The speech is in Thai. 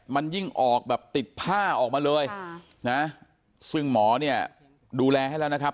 มันยิ่งออกแบบติดผ้าออกมาเลยนะซึ่งหมอเนี่ยดูแลให้แล้วนะครับ